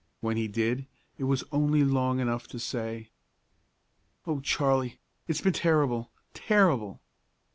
When he did, it was only long enough to say, "O Charley, it's been terrible! terrible!"